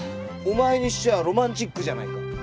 お前にしちゃロマンチックじゃないか。